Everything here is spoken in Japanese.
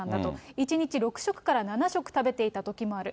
１日６食から７食食べていたときもある。